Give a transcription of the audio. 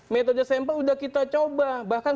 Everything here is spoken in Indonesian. metode sampel sudah kita coba bahkan